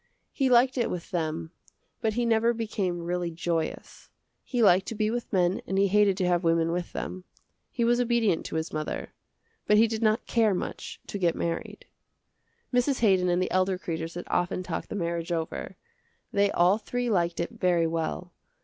He liked it with them but he never became really joyous. He liked to be with men and he hated to have women with them. He was obedient to his mother, but he did not care much to get married. Mrs. Haydon and the elder Kreders had often talked the marriage over. They all three liked it very well.